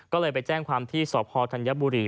ก็เลยไปแจ้งความที่สพธัญบุรี